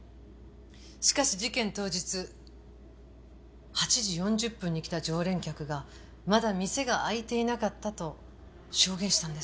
しかし事件当日８時４０分に来た常連客がまだ店が開いていなかったと証言したんです。